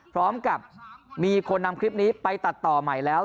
พร้อมกับมีคนนำคลิปนี้ไปตัดต่อใหม่แล้ว